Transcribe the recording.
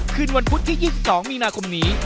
คืนวันพุธที่๒๒มีนาคมนี้